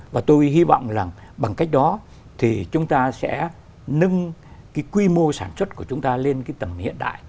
và tôi hy vọng là bằng cách đó thì chúng ta sẽ nâng cái quy mô sản xuất của chúng ta lên cái tầng hiện đại